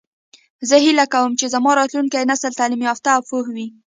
زه هیله کوم چې زموږ راتلونکی نسل تعلیم یافته او پوه وي